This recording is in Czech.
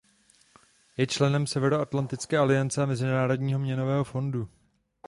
Je členem Severoatlantické aliance a Mezinárodního měnového fondu.